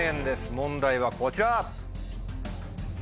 問題はこちら。